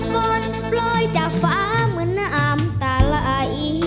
ฝนปล่อยจากฟ้าเหมือนน้ำตาไหล